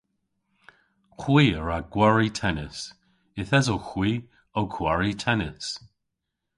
Hwi a wra gwari tennis. Yth esowgh hwi ow kwari tennis.